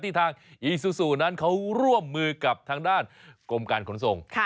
ทางอีซูซูนั้นเขาร่วมมือกับทางด้านกรมการขนส่ง